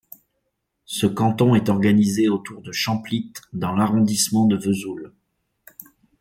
Ce canton est organisé autour de Champlitte dans l'arrondissement de Vesoul.